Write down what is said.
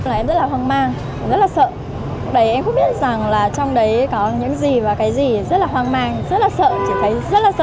em rất là hoang mang rất là sợ lúc đấy em không biết rằng là trong đấy có những gì và cái gì rất là hoang mang rất là sợ chỉ thấy rất là sợ thôi